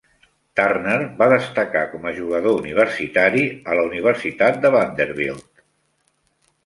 Turner va destacar com a jugador universitari a la Universitat de Vanderbilt.